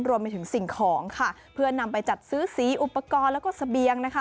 รวมไปถึงสิ่งของค่ะเพื่อนำไปจัดซื้อสีอุปกรณ์แล้วก็เสบียงนะคะ